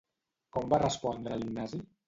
Com va respondre l'Ignasi?